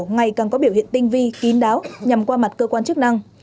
ngày càng có biểu hiện tinh vi kín đáo nhằm qua mặt cơ quan chức năng